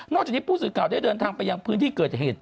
จากนี้ผู้สื่อข่าวได้เดินทางไปยังพื้นที่เกิดเหตุ